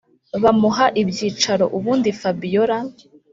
bamuha ibyicaro ubundi fabiora